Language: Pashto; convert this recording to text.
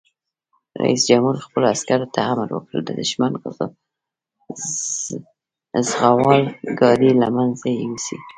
رئیس جمهور خپلو عسکرو ته امر وکړ؛ د دښمن زغروال ګاډي له منځه یوسئ!